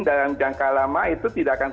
dalam jangka lama itu tidak akan